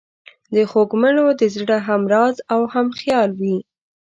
د خوږمنو د زړه همراز او همخیال وي.